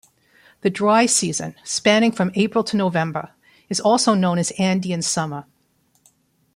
The dry season, spanning from April to November, is also known as "Andean summer".